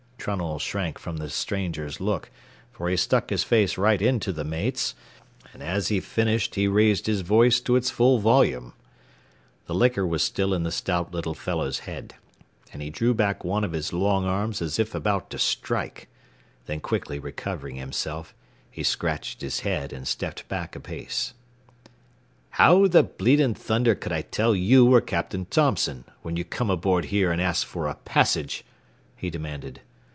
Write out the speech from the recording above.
Trunnell shrank from the stranger's look, for he stuck his face right into the mate's, and as he finished he raised his voice to its full volume. The liquor was still in the stout little fellow's head, and he drew back one of his long arms as if about to strike; then quickly recovering himself, he scratched his head and stepped back a pace. "How the bleeding thunder could I tell you were Captain Thompson, when you come aboard here and ask for a passage?" he demanded.